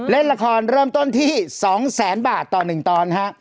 เล่นละครเริ่มต้นที่๒แสนบาทต่อ๑ตอนฮะ